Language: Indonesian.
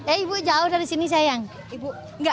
eh ibu jauh dari sini sayang ibu